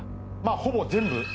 まあほぼ全部。